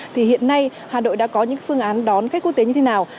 thì hiện nay hà nội đã có những phương án đón khách quốc tế như thế nào